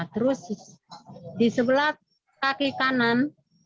terus di sebelah kaki kanan